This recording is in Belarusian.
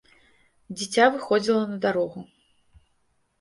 Дзіця выходзіла на дарогу.